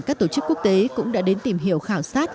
các tổ chức quốc tế cũng đã đến tìm hiểu khảo sát